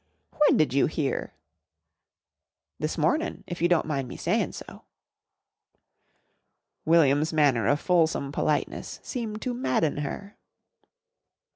"When did you hear?" "This mornin' if you don't mind me saying so." William's manner of fulsome politeness seemed to madden her.